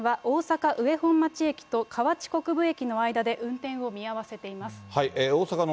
この影響で近鉄大阪線は大阪上本町駅と河内国分駅の間で運転を見合わせています。